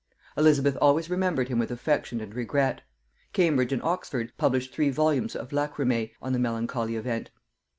Elizabeth always remembered him with affection and regret. Cambridge and Oxford published three volumes of "Lachrymæ" on the melancholy event.